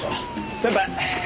先輩！